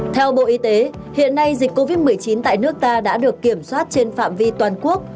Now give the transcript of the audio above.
theo bộ y tế hiện nay dịch covid một mươi chín tại nước ta đã được kiểm soát trên phạm vi toàn quốc